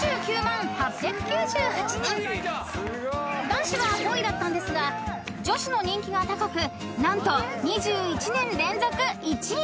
［男子は５位だったんですが女子の人気が高く何と２１年連続１位］